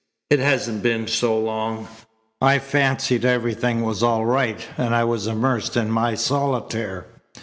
"It hasn't been so long. I fancied everything was all right, and I was immersed in my solitaire.